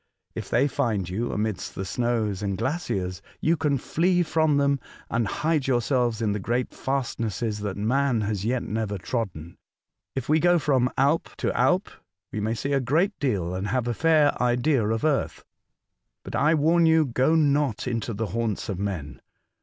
If they find you amidst the snows and glaciers, you can flee from them and hide yourselves in the great fastnesses that man has yet never trodden. If we go from Alp to Alp, we may see a great deal and have a fair idea of Earth. But I warn you, go not into the haunts of men